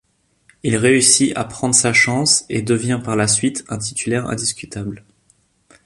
Il réussit à prendre sa chance et devient par la suite un titulaire indiscutable.